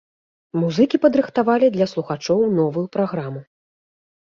Музыкі падрыхтавалі для слухачоў новую праграму.